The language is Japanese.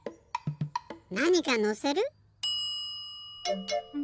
なにかのせる？